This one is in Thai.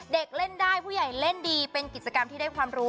เด็กเล่นได้ผู้ใหญ่เล่นดีเป็นกิจกรรมที่ได้ความรู้